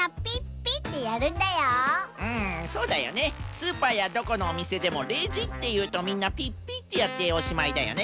スーパーやどこのおみせでもレジっていうとみんなピッピッてやっておしまいだよね。